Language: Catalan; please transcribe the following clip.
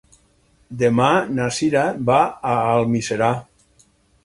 Demà na Sira va a Almiserà.